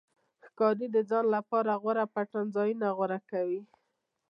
ښکاري د ځان لپاره غوره پټنځایونه غوره کوي.